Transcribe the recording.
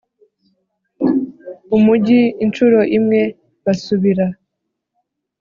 umugi incuro imwe basubira